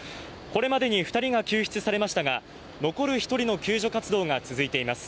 これまでに２人が救出されましたが残る１人の救助活動が続いています